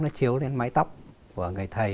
nó chiếu lên mái tóc của người thầy